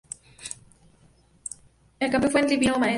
El campeón fue el Divino Maestro.